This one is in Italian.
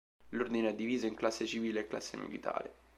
L'Ordine è diviso in classe civile e classe militare.